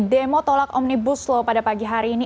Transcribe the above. demo tolak omnibus law pada pagi hari ini